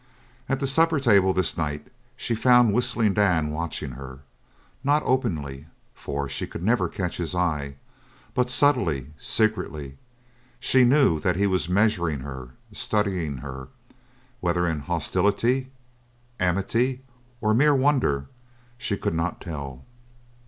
At the supper table this night she found Whistling Dan watching her not openly, for she could never catch his eye but subtly, secretly, she knew that he was measuring her, studying her; whether in hostility, amity, or mere wonder, she could not tell.